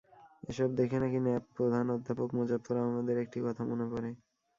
এসব দেখে নাকি ন্যাপ-প্রধান অধ্যাপক মোজাফফর আহমদের একটি কথা মনে পড়ে।